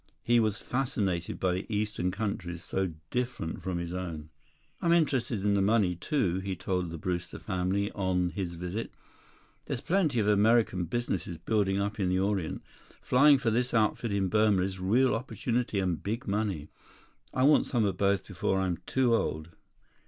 He was fascinated by the eastern countries so different from his own. "I'm interested in the money, too," he told the Brewster family on his visit. "There're plenty of American businesses building up in the Orient. Flying for this outfit in Burma is real opportunity and big money. I want some of both before I'm too old."